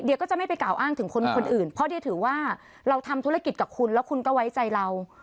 เดี๋ยวก็จะไม่ไปกล่าอ้างถึงคนอื่นเพราะเดียถือว่าเราทำธุรกิจกับคุณแล้วคุณก็ไว้ใจเรา